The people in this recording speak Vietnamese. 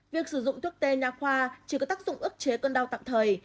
việc sử dụng thuốc tê nhà khoa chỉ có tác dụng ức chế cơn đau tạm thời